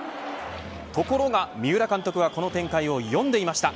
ところが三浦監督はこの展開を読んでいました。